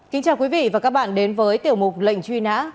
kính chào quý vị và các bạn đến với tiểu mục lệnh truy nã